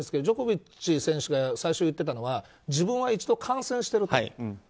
ジョコビッチ選手が最初言ってたのは自分は一度感染していると。